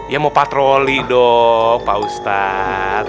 iya mau patroli dook pak ustaz